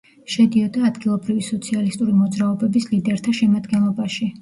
შედიოდა ადგილობრივი სოციალისტური მოძრაობების ლიდერთა შემადგენლობაში.